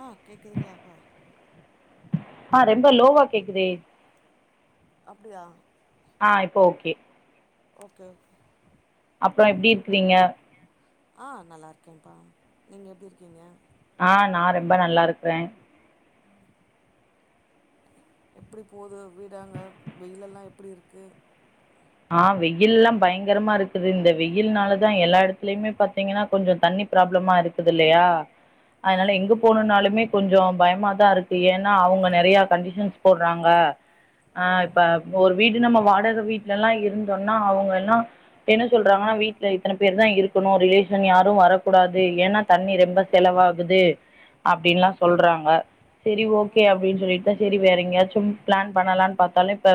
ஆ கேக்குதுங்களா இப்போ ஆ ரொம்ப லோவா கேக்குதே அப்டியா ஆ இப்போ ஓகே ஓகே ஓகே அப்புறம் எப்படி இருக்கிறீங்க ஆ நல்லா இருக்கேன்ப்பா நீங்க எப்படி இருக்கீங்க ஆ நா ரொம்ப நல்லா இருக்கறேன் எப்படி போது வீடாங்க வெயில எல்லாம் எப்படி இருக்கு ஆ வெயில் எல்லாம் பயங்கரமா இருக்குது இந்த வெயில்னாலதா எல்லா இடத்துலயுமே பாத்தீங்கன்னா கொஞ்சம் தண்ணி பராப்ளமா இருக்குது இல்லையா அதனால ஆஹா எங்க போனாலுமே கொஞ்சம் பயமாதா இருக்கு ஏன்னா அவங்க நிறைய கண்டிஷன்ஸ் போடுறாங்க ஆ ஓ இப்ப ஒரு வீடு நம்ம வாடக ல்ல இருந்தோம்னா அவங்க எல்லாம் என்ன சொல்றாங்கன்னா வீட்டுல இத்தன பேர் தா இருக்கணும் ரிலேஷன் யாரும் வரக்கூடாது ஏன்னா தண்ணி ரொம்ப செலவாகுது அப்படின்னுல்லா சொல்றாங்க சரி ஓ ஓகே அப்படின்னு சொல்லிட்டு சரி வேறங்கயாச் சும் பிளான் பண்ணலாம்னு பார்த்தாலும் இப்ப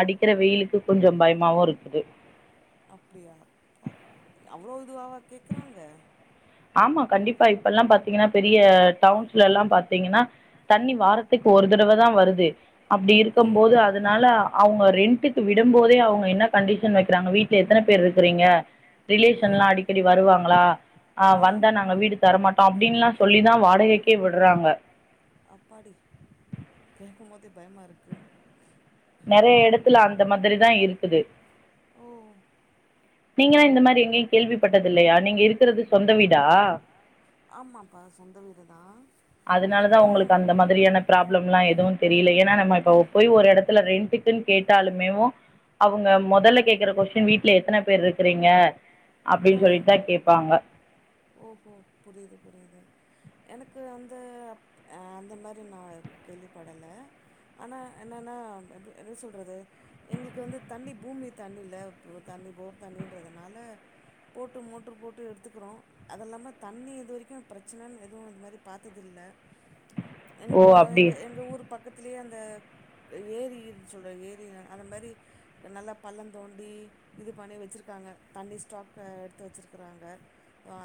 அடிக்கிற வெயிலுக்கு கொஞ்சம் பயமாவும் இருக்குது அப்படியாப்ப அவ்வளோ இதுவாவா கேக்குறாங்க ஆமா கண்டிப்பா இப்ப எல்லாம் பாத்தீங்கன்னா பெரிய டவுன்ஸ்ல எல்லாம் பாத்தீங்கன்னா தண்ணி வாரத்துக்கு ஒரு தடவ தா வருது அப்படி ஓ இருக்கும் போது அதனால அவங்க ரெண்டட க்கு விடும் போதே அவங்க என்ன கண்டிஷன் வைக்கிறாங்க வீட்டுல எத்தன பேர் இருக்கிறீங்க ஓ ரிலேஷன் எல்லாம் அடிக்கடி வருவாங்களா ஆ வந்த நாங்க வீடு தரமாட்டோம் அப்படின்னுல்லா சொல்லிதா வாடகைக்கே விடுறாங்க அப்பாடி கேட்கும் போதே பயமா இருக்கு நிறைய இடத்துல அந்த மாதிரி தா இருக்குது ஓ நீங்கல்லா இந்த மாதிரி எங்கேயும் கேள்விப்பட்டது இல்லையா நீங்க இருக்கிறது சொந்த வீடா ஆமாப்பா சொந்த வீடு தா அதனாலதா உங்களுக்கு அந்த மாதிரியான ப்ராப்ளம் எல்லாம் எதுவும் தெரியல ஏன்னா நம்ம இப்ப போய் ஒரு இடத்து த்துல ரெண்டுக்குன்னு கேட்டாலுமேவோ அவங்க முதல்ல கேக்குற கொஸ்டின் வீட்டு்ல எத்தன பேர் இருக்கிறீங்க அப்படின்னு ஆ சொல்லிதா கேட்பாங்க ஓஹோ புரியுது புரியுது எனக்கு அந்த அந்த மாதிரி நா கேள்விப்படல ஆனா என்னன்ன என்ன சொல்றது எங்களுக்கு வந்து தண்ணி பூமி தண்ணி இல்ல தண்ணி போர் தண்ணின்றதுனால போ போட்டு மோடரு போட்டு எடுத்துக்கிறோம் அது இல்லாம தண்ணி இது வரைக்கும் பிரச்சனைன்னு எதுவும் இந்தது மாதிரி பார்த்ததில்ல ஓ எங்கக்க அப்டி எங்க எங்க ஊரு பக்கத்திலயே அந்த ஏரி சொல்ற ஏரி அந்த மாதிரி நல்லா பள்ளம் தோண்டி இது பண்ணி வச்சிருக்கா ங்க தண்ணி ஸ்டாக்க எடுத்து வச்சிருக்கிறாங்க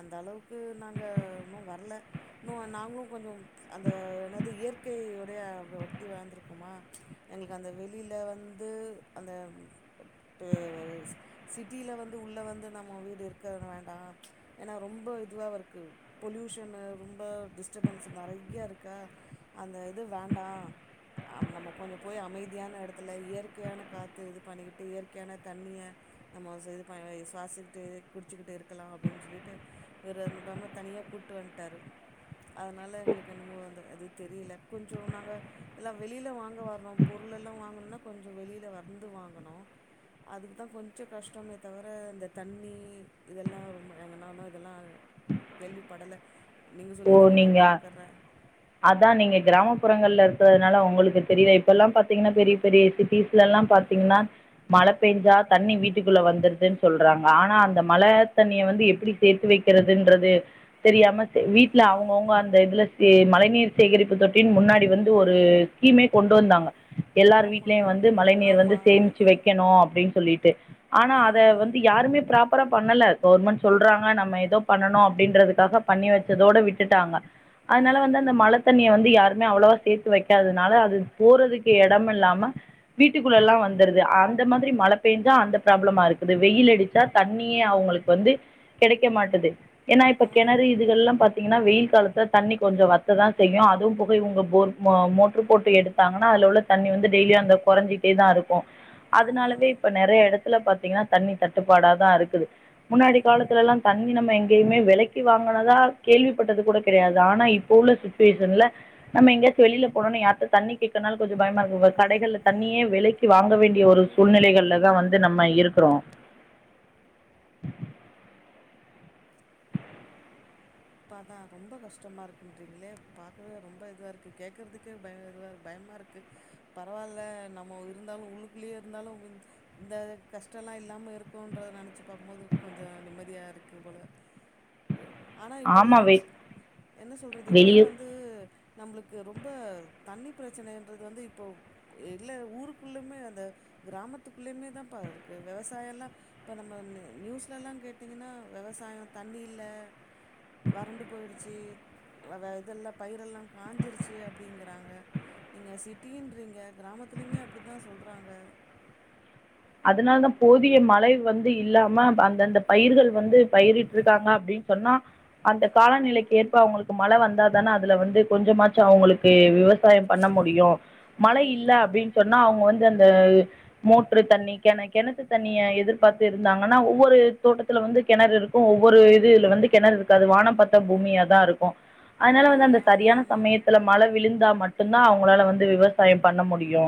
அந்த அளவுக்கு நாங்க இன்னு வரல இன்னும் நா நாங்களு கொஞ்சம் அந்த என்னது இயற்கையுடைய ஒட்டி வளந்தருக்குமா எங்களுக்கு அந்த வெளியில வந்து அந்த சிட்டியில வந்து உள்ள வந்து நம்மோ வீடு இருக்க வேண்டாம் எனா ரொம்ப இதுவா இருக்கு பொல்யூஷன் ரொம்ப டிஸ்டபன்ஸ் நிறைய இருக்கா அந்த இது வேண்டா நம்ம கொஞ்ச போய் அமைதியான இடத்துல இயற்கையான காற்று இது பண்ணிக்கிட்டு இயற்கையான தண்ணிய நம்ம இது பண் சுவாசி ட்டு குடிச்சிட்டு இருக்கலா அப்டின்னு சொல்லிட்டு இவர் அந்தபாம தனியா கூப்பிட்டு வந்தடார் அதனால எங்களுக்கு என்னமோ வந்த ஆது தெரியல கொஞ்ச நாங்க எல்லா வெளில வாங்க வரறோம் பொருள் எல்லாம் வாங்கணும்னா கொஞ்ச வெளியில வந்து வாங்கனு அதுக்கு தா கொஞ்சம் கஷ்டமே தவிர இந்த தண்ணி இதெல்லா ரொம்ப எங்கனம இதெல்லா கேள்விப்படல நீங்க சொல்லி தா பாக்கற அதா நீங்க கிராமப்புறங்கள்ல இருக்கதுனால உங்களுக்கு தெரிலா இப்பெல்லா பாத்தீங்கன்னா பெரிய பெரிய சிட்டிஸ்லல்லா பாத்தீங்கன்னா மழ பேஞ்சா தண்ணி வீட்டுக்குள்ள வந்தருதுன் சொல்றாங்க ஆனா அந்த மழை தண்ணிய வந்து எப்பிடி சேத்து வெ க்கிறதுன்றது தெரியாமத் வீட்ல அவுங்கவுங்க அந்த இதுல எ மழை நீர் சேகரிப்பு தொட்டின் முன்னாடி வந்து ஒரு ஸ்கீமே கொண்டு வந்தாங்க எல்லார் ஆமா வீட்லியு வந்து மழை நீர் வந்து ஆமா சேமிச்சு வெக்கணு அப்டின் சொல்லிட்டு ஆனா அத ஆமா வந்து யாரு மே ப்ராப்பரா பண்ணல கவுர்மெண் சொல்றாங்க நம்ம எதோ பண்ணணு அப்டின்றது க்காக பண்ணி வெச்சதோட விட்டுட்டாங்க ஆ அதனால வந்து தண்ணிய வந்து யாருமே அவ்ளவா சேத்து வெக்காதுனால அது போறதுக்கு எடமில்லாம வீட்டுக்குள்ளல்லா வந்துருது அந்த மாதிரி மழ பெஞ்சா அந்த ப்ராப்ளமா இருக்குது வெயில் அடிச்சா தண்ணியே அவுங்குளுக் வந்து கெடைக்க மாட்டது ஏனா இப்ப ஆ கெணறு இதுகள்லா பாத்தீங்கனா வெயில் காலத்துல தண்ணி கொஞ்சோ வ த்ததா செய்யு அதுவும் போக இவுங்க போர் மோ மோட்ரு போட்டு எடுத்தாங்கனா அதுல உள்ள தண்ணி வந்து டெய்லியி அந்த கொறஞ்சிட் டேதா இருக்கு ஆமா அதுனாலவே இப்ப நறைய எடத்துல பாத்தீங்கனா தண்ணி தட்டுப்பாடாதா இருக்குது முன்னாடி ம் காலத்துலெல் லா தண்ணி நம்ம எங்கேயுமே வெலைக்கி வாங்கனதா கேள்விப்பட்டது கூட கெடையாது ஆனா இ ப்ப உள்ள சுச்வேஷன்ல நம்ம எங்கயாச்சு வெளில போனோனே யார்ட தண்ணி கேக்கனாலு கொஞ்ச பயமா இருக்குங்க கடைகள்ல தண்ணி ய விலைக்கு வாங்க வேண்டிய ஒரு ம் சூழ்நிலைகள்லதா வந்து நம்ம இருக்குறோ இப்ப அதா ரொம்ப கஷ்டமாருக்குன்றீங்ளே பாக்கவே ரொம்ப இதுவா இருக்கு கேக்கறதுக்கே பய இதுவ இரு பய மாருக்கு பரவால்ல நம்ம இருந்தாலு உள்ளுக்குள்ளியே இருந்தாலு வந்து இந்த கஷ்டல்லா இல் லாம இருக்கோன்றத நெனைச்சு பாக்கம்போது கொஞ்சோ நிம்மதியா இருக்கு போல ய ஆனா இப்பல்லா ஆமாம் வெ என்ன சொல்றது இப்பல்லா வெளியே வந்து நம்புளுக்கு ரொம்ப தண்ணி பிரச்சனைன்றது வந்து இப்போ இல்ல ஊருக்குள்ளுமே அந்த கிராமத்துக்குள்ளயிமேதாம்பா இருக்கு வெவசாய எல்லா இப்ப நம்ம நி நியூஸ்லெல்லா கேட்டீங்கன்னா வெவ சாயோ தண்ணி இல்ல வறண்டு போயிருச்சி வ வ இதெல்லா பயிரெல்லா காஞ்சிருச்சி அப்டிங்கறாங்க நீங்க சிட்டின்றிங்க கிராமத்திலியிமே அப்டிதா சொல்றாங்க அதுனால் தா போதிய மழை வந்து இல்லாம ப அந்தந்த பயிர்கள் வந்து பயிரிட்ருக்காங்க அப்டி சொன்னா அந்த காலநிலைக்கு ஏற்ப அவுங்களுக்கு மழ வந்தா தான அதுல வந்து கொஞ்சமாச்சு அவுங்களுக்கு விவசாயம் பண்ண முடியு மழை ம் இல்ல அப்டின் சொன்னா அவுங்க வந்து அந்த மோட்ரு தண்ணி கெண கெணத்து தண்ணிய எதிர்பாத்து இருந்தாங்கன்னா ஒவ்வொரு தோட்டத்தில வந்து கெணறு இருக்கு ஒவ்வொரு இது இதுல வந்து கெணறு இருக்காது வானம் பாத்த பூமியாதாருக்கு அதுனால வந்து அந்த ம் ஆமா சரியான ஆமா சமயத்துல மழை விழுந்தா மட்டுந்தா அவுங்ளால வந்து விவ சாயம் பண்ண முடியு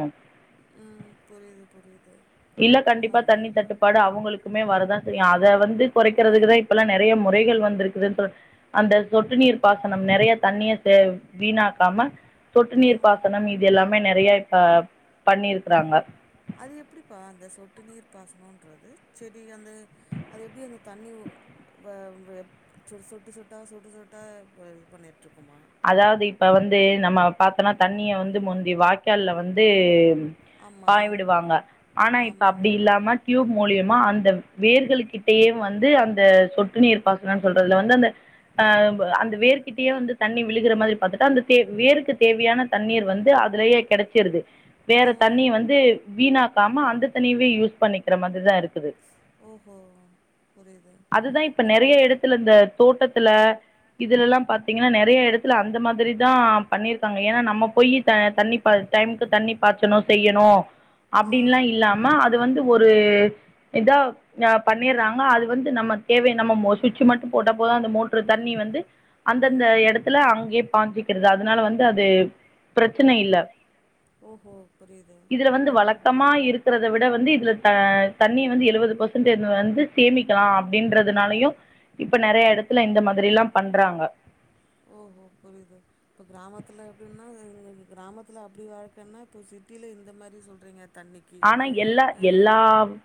ம் புரிது புரிது இல்ல கண்டிப்பா தண்ணி தட்டுப்பாடு அவுங்களுக்குமே வரதா செய்யு அத வந்து கொறைக்கிறதுக்கு தா இப்பெல்லா நெறைய முறைகள் வந்திருக்குதுன் சொல் அந்த சொட்டு நீர் பாசனம் நெறைய தண்ணிய செ வீணாக்காம சொட்டு நீர் ஆ பாசனம் இது எல்லாமே நெறைய இப்ப பண்ணிருக்கறாங்க அது எப்படிப்பா அந்த சொட்டு நீர் பாசனோன்றது செடி அந்த அது எப்டி அந்த தண்ணி உ வ வ ப் சு சொட்டு சொட்டா சொட்டு சொட்டா ப இது பண்ணிட்ருக்குமா அதாவ்து இப்ப வந்து நம்ம பாத்தனா தண்ணிய வந்து முந்தி வாய்க்கால்ல வந்து பாய ஆமாம் விடுவாங்க ஆனா இப்ப ஆமாம் அப்டி இல்லாம டியூப் மூலிய மா அந்த வேர்கள்கிட்டயே வந்து அந்த சொட்டு நீர் பாசனன் சொல்றதுல வந்து அந்த ஆ ப அந்த வேர்கிட்டையே வந்து தண்ணி விழுகற மாதிரி பாத்துட்டா அந்த தே வேருக்கு தேவையான தண்ணீர் வந்து அதுலயே கெடைச்சிருது வேற ஆ தண்ணிய வந்து வீணாக்காம அந்த தண்ணிய வே யூஸ் பண்ணிக்கிற மாதிரிதா இருக்குது ஓஹோ புரியுது அதுதா இப்ப இல் நெறைய எடத்துல இந்த தோட்டத்துல இதுல எல்லாம் பாத்தீங்கனா நெ நெறைய எடத்துல அந்த மாதிரி தா பண்ணிருக்காங்க ஏனா நம்ம போயி த தண்ணி ப டைமுக்கு தண்ணி பாச்சணு செய்யணு ஆ அப்டின்லா இல்லாம அது வந்து ஒரு இதா அ பண்ணிர்றாங்க அது வந்து நம்ம தேவைய நம்ம மோ சுச்சி மட்டு போட்டா போது அந்த மோட்ரு தண்ணி வந்து அந்தந்த ம் எடத் அங்கே பாச்சிக்கிறது அதனால வந்து அது பிரச்சன இல்ல ஓஹோ புரியுது இதுல வந்து ம் வழக்கமா இருக்றத விட வந்து இதுல அ தண்ணி வந்து எழுவது பர்சன்ட் வந்து சேமிக்கலா அப்டின்றதுனாலயு இப்ப நறைய எடத்துல இந்த மாதிரிலா பண்றாங்க ஓஹோ புரியுது இப்ப கிராமத்துல எப்டின்னா [unintelligible] கிராமத்துல அப்டி வாழ்க்கன்னா இப்ப ச டில இந்த மாரி சொல்றீங்க ஆனா எல்லா எல்லா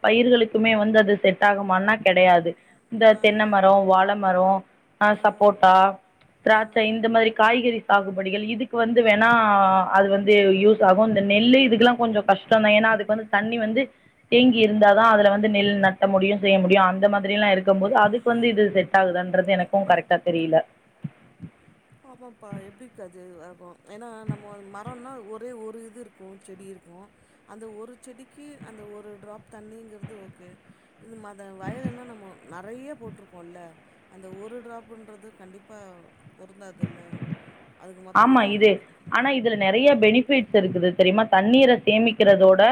பயிர்களுக்குமே வந்து அது செட் ஆகுமான்னா கெடையாது இந்த ஆ தென்ன மரொ வாழ மரொ ஆ சப்போட்டா திராட்ச ஆ இந்த மரி காய்கறி சாகுபடிகள் இதுக்கு வந்து வேணா அது வந்து யூஸாகு இந்த நெல்லு இதுக்குலா கொஞ்சோ கஷ்டம் தா ஏனா அதுக் வந்து தண்ணி வந்து தேங்கி இருந்தா தா அதுல வந்து நெல் நட்ட முடியு செய்ய முடியு அந்த மாதிரிலா இருக்கம் போது அது அதுக்கு வந்து இது செட் ஆகுதான்றது எனக்கு கரெக்டா தெரில ஆமாப்பா எப்படிக் அது ஆகு ஏனா நம்ம மரொன்னா ஒரே ஒரு இது இருக்கு செடி இருக்கு அந்த ஒரு செடிக்கு அந்த ஒரு டிராப் தண்ணிங்றது ஓகே [unintelligible] அத வயலன்னா நம்மோ நறைய போட்ருப்போல்ல அந்த ஒரு டிராப்புன்றது கண்டிப்பா பொருந்தாதுல்ல ஆமா இது மொத்தமாக ஆனா இதுல நறைய பெனிஃபிட் ஷூ இருக்குது தெரிமா தண்ணீர சேமிக்றதோட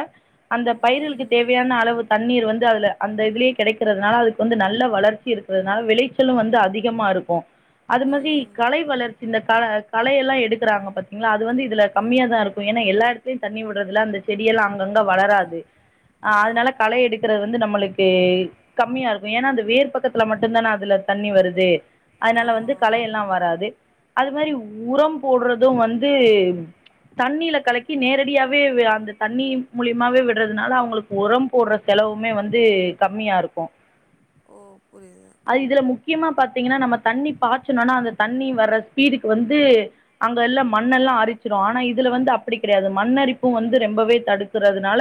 அந்த பயிர்களுக்கு ம் தேவையான அளவு தண்ணீர் வந்து அதுல அந்த இதுலே கெடைக்றதுனால அதுக்கு வந்து நல்ல வளர்ச்சி இருக்றனால விளைச்சலு வந்து அதிகமாருக்கு அது மாதிரி ம் கலை வளர்ச்சி இந்த கல கலை எல்லா எடுக்றாங்க பாத்தீங்ளா அது வந்து இதுல கம்மியா தாருக்கு ஏனா எல்லா எடத்துலயு தண்ணி விட்றதுல அந்த செடியெல்லா அங்கங்க வளராது ஆ அதனால களை எடுக்றது வந்து நம்முளுக்கு க்கு கம்மியாருக்கு ஏனா அந்த வேர் பக்கத்துல மட்டும்தான அதுல தண்ணி வருது அய்னால வந்து ஆமாம் கலை எல்லா வராது அது மாரி உரம் போட்றது வந்து தண்ணீல கலக்கி நேரடியாவே வே அந்த தண்ணி மூலிமாவே விட்றதுனால அவங்களுக்கு உரம் போட்ற செலவு செலவுமே வந்து கம்மியாருக்கு ஓ புரிது முக்கியமா பாத்தீங்னா நம்ம தண்ணி பாச்சுனோனா அந்த தண்ணி வர்ற ஸ்பீடுக்கு வந்து து அங்க எல்லா மண்ணெல்லா அரிச்சிடு ஆனா இதுல வந்து அப்டி கெடையாது மண் அரிப்பு வந்து ரொம்பவே தடுத் குறதுனால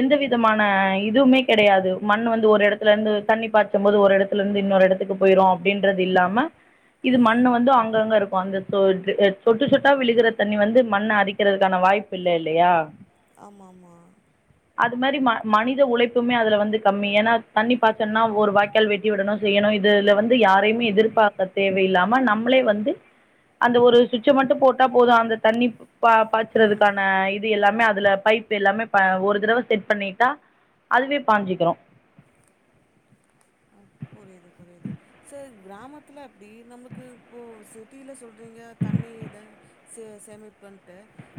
எந்த விதமான இதுமே கெடையாது மண் வந்து ஒரு எடத்துலந்து தண்ணி பாய்ச்ச போ ஒரு எடத்துலந்து இன்னொரு எடத்துக்கு போயிரு அப்டின்றது இல்லாம இது ம் மண்ணு வந்து அங்கங்கருக்கு அந்த [unintelligible] சொட்டு சொட்டா விழுகற தண்ணி வந்து மண்ண அரிக்றதுக்கான வாய்ப்பு இல்ல இல்லயா ஆமா ஆமா ம மனித உழைப்புமே அதுல வந்து கம்மி ஏனா தண்ணி பாய்ச்சனுனா ஒரு வாய்கால் வெட்டி விடணு செய்யணு இதுல வந்து யாரையுமே எதிர்பாக்க தேவையில்லாம நம்ளே வந்து அந்த ஒரு சுவிட்ச மட்டு போட்டா போது அந்த தண்ணி பா ம் பாய்ச்சறதுக்கான இது எல்லாமே அதுல பைப்பு எல்லாமே ப ஒரு தரவ செட் பண்ணிட்டா அதுவே பாஞ்சிக்கறோ ஆ புரிது புரிது சர் கிராமத்துல அப்டி நமக்கு இப்போ சிட்டில சொல்றீங்க தண்ணி இத சே சேமிப்புன்ட்டு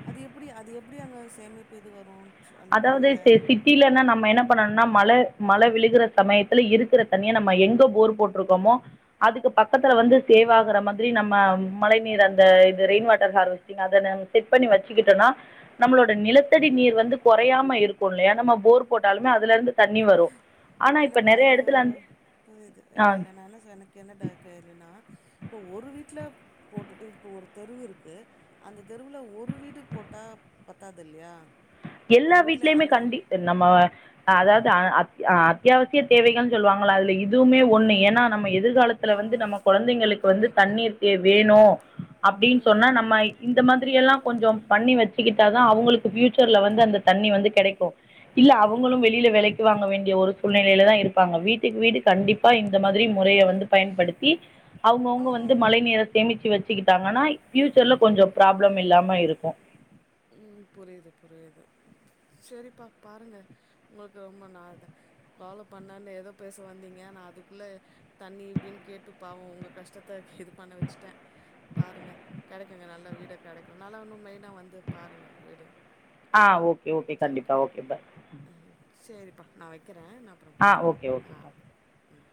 அது எப்டி அது எப்டி அங்க சேமிப்பு இது வரு எனக்கு அதாவது புரியல சே சிட்டிலன்னா நம்ம என்ன பண்ணணு னா மழ மழ விழுகுற சமயத்துல இருக்குற தண்ணிய நம்ம எங்க போர் போட்ருக்கோமோ அதுக்கு பக் கத்துல வந்து சேவாகுற மாதிரி நம்ம மழை நீர் அந்த இது ரெயின் வாட்டர் ஹார்வஸ்டிங் அத நம் செட் பண்ணி வச்சுக்கிட்டோனா நம்ளோட நிலத்தடி நீர் வந்து கொறையாம இருக்கு இல்லையா நம்ம போர் போட்டாலுமே அதுலருந்து தண்ணி வரு இல்ல பா இது இது [unintelligible] ஆ இல்லல்ல நா என்ன எனக்கு என்ன ட கேளுன்னா இப்போ ஒரு வீட்ல போட்டுட்டு இப்ப ஒரு தெருவு இருக்கு அந்த தெருவுல ஒரு வீடு போட்டா பத்தாது இல்லயா எல்லா வீட்லயமே கண்டி நம்ம அ அதாது அ அத் அத்தியாவசிய தேவைகள்னு சொல்லுவாங்கள அதுல இது எதுமே ஒன்னு ஏன்னா நம்ம ஆ எதிர்காலத்துல வந்து நம்ம கொழந்தைங்களுக்கு அதா வந்து கேக்குறே தண்ணீர் தே வேணு அப்டின்னு சொன்னா ம் நம்ம இந்த மாதிரி எல்லா கொஞ்சம் பண்ணி வெச்சிக்கிட்டாதா அவுங்களுக்கு ஃபியூச்சர்ல வந்து அந்த தண்ணி வந்து கெடைக்கு இல்ல அவுங்களு ம் வெளில வெலைக்கு வாங்க வேண்டிய ஒரு சூழ்நிலையிலதா இருப்பாங்க வீட்டுக்கு வீடு கண்டிப்பா இந்த மாதிரி முறைய வந்து பயன்படுத்தி அவுங்கவுங்க ஆ வந்து மழை நீர சேமிச்சு வச் ச்சிக்கிட்டாங்கன்னா பியூச்சர்ல கொஞ்சோ ப்ராப்ளம் இல்லாம இருக்கோ ம் புரியுது புரியுது சேரிப்பா பாருங்க உங்களுக்கு ரொம்ப நா ஃபாலோ பண்ணனுன்னு ஏதோ பேச வந்தீங்க நா அதுக்குள்ள தண்ணி இப்டின்னு கேட்டு பாவோ உங்க கஷ்டத்த இது பண்ண வெச்சுட்டே பாருங்க கெடைக்குங்க நல்ல வீடே கெடைக்கு நல்லா இன்னு மெயினா வந்து பாருங்க வீடு ஆ ஓகே ஓகே கண்டிப்பா ஓகே பாய் நா வெக்கிறே நா அப்றோ ஆ கூப்புட்றே ஓகே ஓகே ஆ ம்